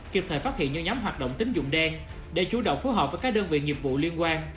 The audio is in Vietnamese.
kịp thời phát hiện những nhóm hoạt động tính dụng đen để chủ động phối hợp với các đơn vị nghiệp vụ liên quan